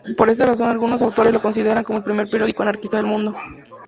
Por esta razón algunos autores lo consideran como el primer periódico anarquista del mundo.